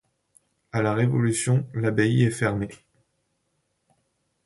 À la Révolution, l'abbaye est fermée.